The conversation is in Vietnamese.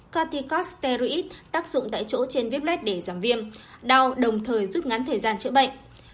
corticosteroids tác dụng tại chỗ trên vết lết để giảm viêm đau đồng thời giúp ngắn thời gian chữa bệnh